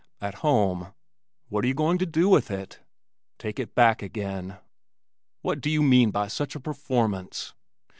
"At home." "What are you going to do with it?" "Take it back again." "What do you mean by such a performance?"